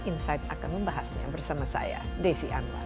insight akan membahasnya bersama saya desi anwar